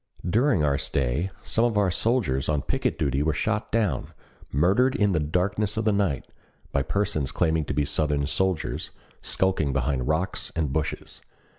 During our stay some of our soldiers on picket duty were shot down, murdered in the darkness of the night, by persons claiming to be Southern soldiers, skulking behind rocks and bushes.